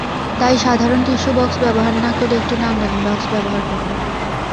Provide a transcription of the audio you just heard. তাই সাধারণ tissue box ব্যবহার না করে একটু নান্দনিক বাক্স ব্যবহার করুন।